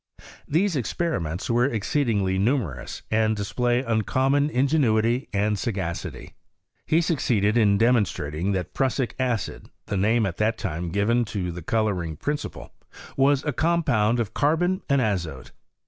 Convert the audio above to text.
These experiments were ex ceedingly numerous, and dsplaj uncommon in genuity and sagacity. He suc^eded in demon strating that prussic acid, the name at that time given to the colouring principle, was a compound of carbon and azote.